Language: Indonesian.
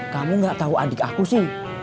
kamu gak tahu adik aku sih